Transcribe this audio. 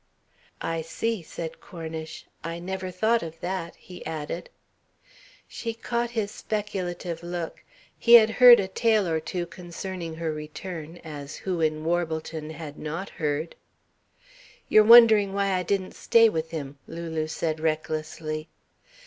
"I see," said Cornish. "I never thought of that," he added. She caught his speculative look he had heard a tale or two concerning her return, as who in Warbleton had not heard? "You're wondering why I didn't stay with him!" Lulu said recklessly.